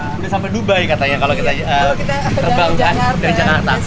sudah sampai dubai katanya kalau kita terbarukan dari jakarta